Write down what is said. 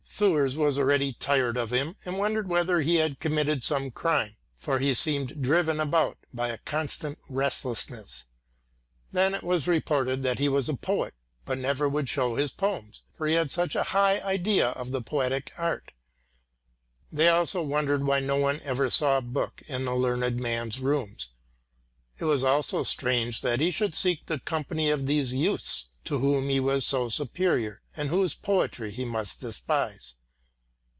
Thurs was already tired of him and wondered whether he had committed some crime, for he seemed driven about by a constant restlessness. Then it was reported that he was a poet, but never would show his poems, for he had such a high idea of the poetic art. They also wondered why no one ever saw a book in the learned man's rooms. It was also strange that he should seek the company of these youths, to whom he was so superior, and whose poetry he must despise.